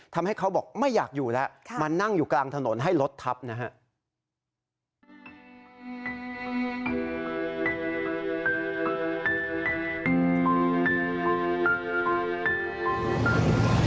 เขาบอกไม่อยากอยู่แล้วมานั่งอยู่กลางถนนให้รถทับนะครับ